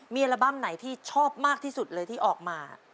มีอัลบั้มไหนที่ชอบมากที่สุดเลยที่ออกมา